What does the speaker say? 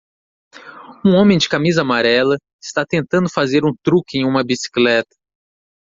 Um homem de camisa amarela está tentando fazer um truque em uma bicicleta.